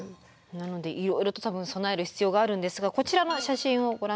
なのでいろいろと多分備える必要があるんですがこちらの写真をご覧下さい。